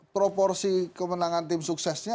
proporsi kemenangan tim suksesnya